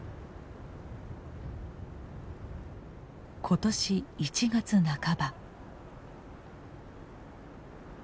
今年１月半ば。